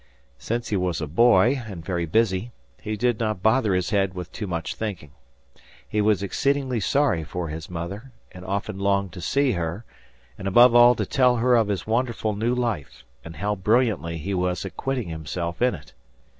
Since he was a boy and very busy, he did not bother his head with too much thinking. He was exceedingly sorry for his mother, and often longed to see her and above all to tell her of this wonderful new life, and how brilliantly he was acquitting himself in it.